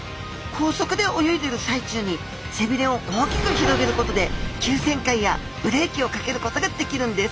高速で泳いでいる最中に背びれを大きく広げることで急旋回やブレーキをかけることができるんです。